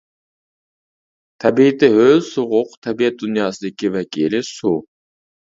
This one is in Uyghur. تەبىئىتى ھۆل سوغۇق، تەبىئەت دۇنياسىدىكى ۋەكىلى سۇ.